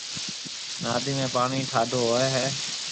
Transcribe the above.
نادِي ۾ پاڻِي ٺاڍو هوئيَ هيَ